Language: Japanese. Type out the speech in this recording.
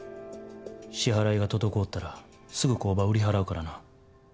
支払いが滞ったらすぐ工場、売り払うからな。